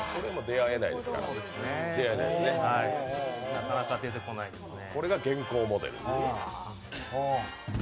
なかなか出てこないですね。